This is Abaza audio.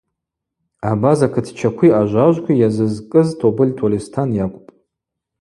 Абаза кытчакви ажважвкви Йазызкӏыз Тобыль Тольыстан йакӏвпӏ.